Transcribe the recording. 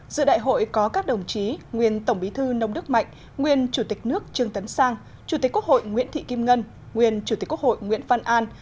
giữa đại hội có các đồng chí nguyên tổng bí thư nông đức mạnh nguyên chủ tịch nước trương tấn sang chủ tịch quốc hội nguyễn thị kim ngân nguyên chủ tịch quốc hội nguyễn văn an